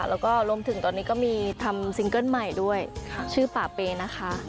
แล้วก็รวมถึงตอนนี้ก็มีทำซิงเกิ้ลใหม่ด้วยชื่อป่าเปนะคะ